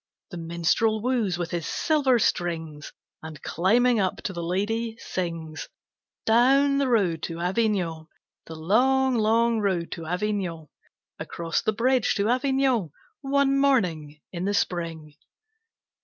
The minstrel woos with his silver strings, And climbing up to the lady, sings: Down the road to Avignon, The long, long road to Avignon, Across the bridge to Avignon, One morning in the spring.